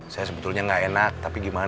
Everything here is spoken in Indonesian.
saya sebetulnya nggak enak tapi gimana